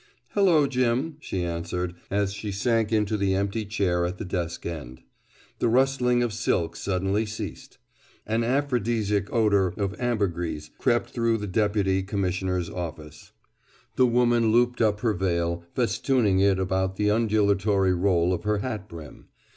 "Hello, Jim!" she answered, as she sank into the empty chair at the desk end. The rustling of silk suddenly ceased. An aphrodisiac odor of ambergris crept through the Deputy Commissioner's office. The woman looped up her veil, festooning it about the undulatory roll of her hat brim.